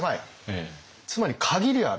つまり限りある。